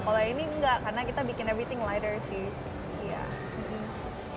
kalau ini enggak karena kita bikin everything lighter sih